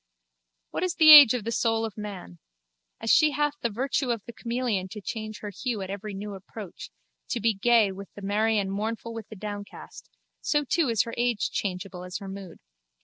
What is the age of the soul of man? As she hath the virtue of the chameleon to change her hue at every new approach, to be gay with the merry and mournful with the downcast, so too is her age changeable as her mood.